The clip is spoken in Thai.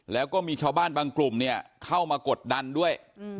แล้วก็มีชาวบ้านบางกลุ่มเนี่ยเข้ามากดดันด้วย